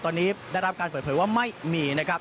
ตอนนี้ได้รับการเปิดเผยว่าไม่มีนะครับ